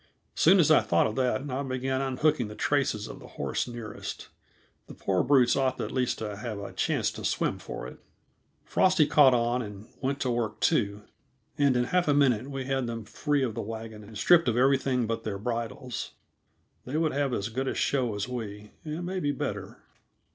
Soon as I thought of that, I began unhooking the traces of the horse nearest. The poor brutes ought at least to have a chance to swim for it. Frosty caught on, and went to work, too, and in half a minute we had them free of the wagon and stripped of everything but their bridles. They would have as good a show as we, and maybe better.